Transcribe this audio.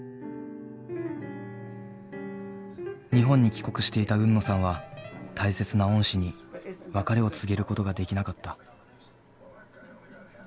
日本に帰国していた海野さんは大切な恩師に別れを告げることができなかった。